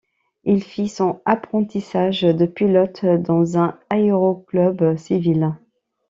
Il fit son apprentissage de pilote dans un aéroclub civil.